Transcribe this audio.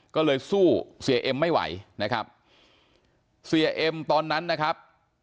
ก็เลยสู้เสียเอ็มไม่ไหวนะครับเสียเอ็มตอนนั้นนะครับ